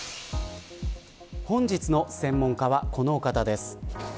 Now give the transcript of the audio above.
本日の専門家は、このお方です。